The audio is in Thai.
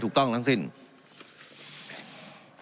การปรับปรุงทางพื้นฐานสนามบิน